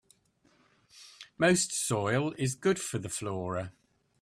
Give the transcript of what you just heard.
Moist soil is good for the flora.